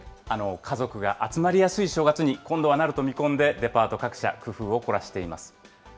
家族が集まりやすい正月に今度はなると見込んで、デパート各社、工夫を凝らしています。